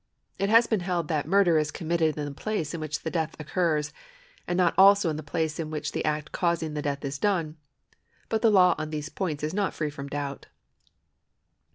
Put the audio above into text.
It has been held that murder is committed in the place in which the death occurs.^ and not also in the place in which the act causing the death is done, ^ but the law on these points is not free from doubt.